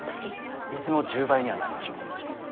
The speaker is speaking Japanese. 伊豆の１０倍にはなりましょう。